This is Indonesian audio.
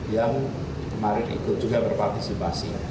yang kemarin ikut juga berpartisipasi